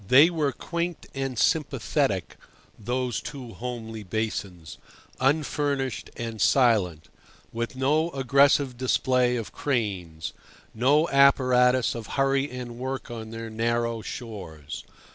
They were quaint and sympathetic, those two homely basins, unfurnished and silent, with no aggressive display of cranes, no apparatus of hurry and work on their narrow shores.